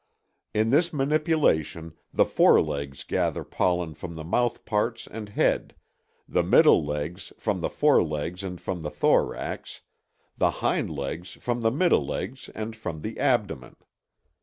In this manipulation the forelegs gather pollen from the mouthparts and head; the middle legs, from the forelegs and from the thorax; the hind legs, from the middle legs and from the abdomen.